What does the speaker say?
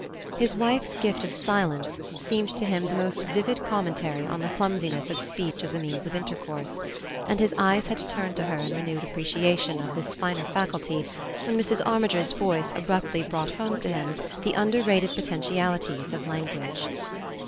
His wife's gift of silence seemed to him the most vivid commentary on the clumsiness of speech as a means of intercourse, and his eyes had turned to her in renewed appreciation of this finer faculty when Mrs. Armiger's voice abruptly brought home to him the underrated potentialities of language.